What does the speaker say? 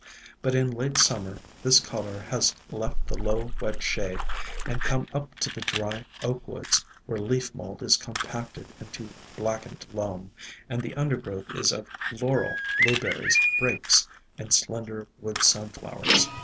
But in late Summer this color has left the low, wet shade, and come up to the dry Oak woods, where leaf mold is compacted into blackened loam, and the undergrowth is of Laurel, Blueberries, Brakes, and slender Wood Sunflowers.